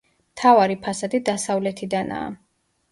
მთავარი ფასადი დასავლეთიდანაა.